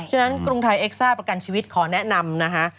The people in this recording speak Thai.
ฉะกรุงไทยเอ็กซ่าประกันชีวิตขอแนะนำนะคะ